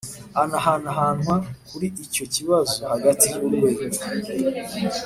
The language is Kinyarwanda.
Ahanahanwa kuri icyo kibazo hagati y urwego